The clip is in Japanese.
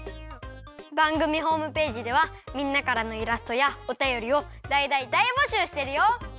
ばんぐみホームページではみんなからのイラストやおたよりをだいだいだいぼしゅうしてるよ！